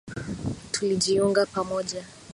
Tulijiunga pamoja.